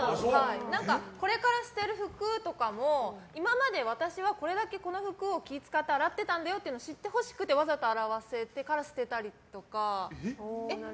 これから捨てる服とかも今まで私はこれだけこの服を気を使って洗ってたんだよっていうのを知ってほしくてわざと洗わせてから捨てたりとか。